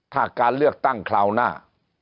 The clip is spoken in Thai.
ถ้าการเลือกตั้งคราวหน้า